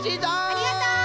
ありがとう！